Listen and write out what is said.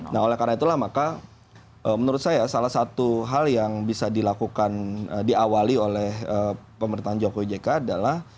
nah oleh karena itulah maka menurut saya salah satu hal yang bisa dilakukan diawali oleh pemerintahan jokowi jk adalah